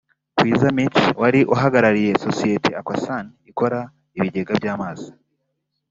Kwiza Mitch wari uhagarariye sosiyete Aquasan ikora ibigega by’amazi